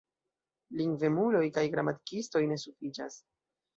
Lingvemuloj kaj gramatikistoj ne sufiĉas.